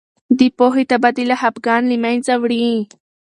د پوهې تبادله خفګان له منځه وړي.